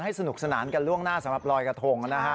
สนุกสนานกันล่วงหน้าสำหรับลอยกระทงนะฮะ